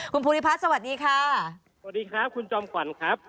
คุณภูริพัฒน์สวัสดีค่ะสวัสดีครับคุณจอมขวัญครับ